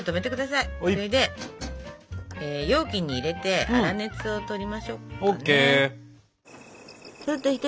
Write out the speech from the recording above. それで容器に入れて粗熱をとりましょっかね。ＯＫ。